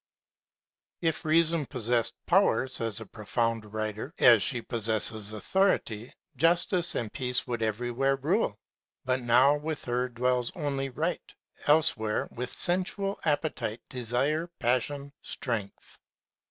If reason possessed power, says a profound writer, as she possesses authority, justice and peace would everywhere rule. Bat nov.', with her dwells only right ; elsewhere, M'ith sensual appetite, desire, passion, strength.